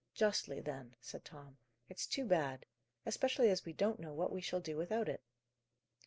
"Justly, then," said Tom. "It's too bad especially as we don't know what we shall do without it."